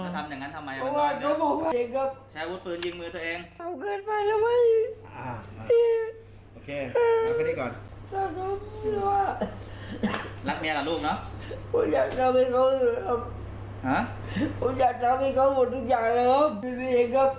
ผมอยากทำให้เขาหมดทุกอย่างนะครับ